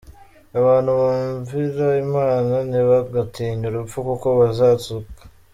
Abantu bumvira imana, ntibagatinye urupfu kuko bazazuka.